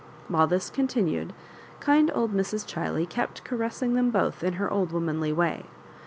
While this continued, kind old Mrs. Chiley kept caressing them both in her old womanly way.